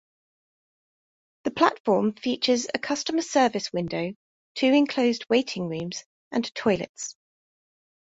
The platform features a customer service window, two enclosed waiting rooms and toilets.